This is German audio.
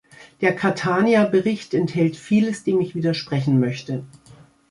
Der Catania-Bericht enthält vieles, dem ich widersprechen möchte.